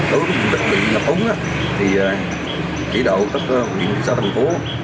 đối với định lập ống thì chỉ đổ các huyện xã thành phố